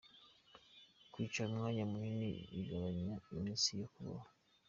Kwicara umwanya munini bigabanya iminsi yo kubaho